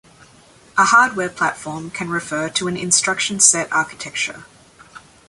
A hardware platform can refer to an instruction set architecture.